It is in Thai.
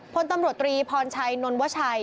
พลตำรวจตรีพรชัยนนวชัย